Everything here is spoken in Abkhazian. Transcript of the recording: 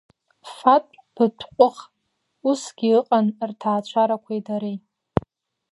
Фат Быҭәҟәых, усгьы ыҟан, рҭаацәарақәеи дареи…